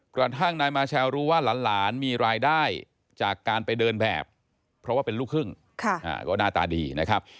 กระทั่งนายมาเชลรู้ว่าหลานมีรายได้จากการไปเดินแบบเพราะว่าเป็นลูกครึ่งก็หน้าตาดีนะครับ